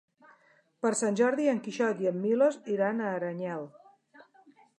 Per Sant Jordi en Quixot i en Milos iran a Aranyel.